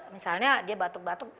misalnya dia batuk batuk